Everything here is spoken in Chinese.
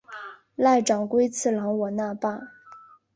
濑长龟次郎我那霸。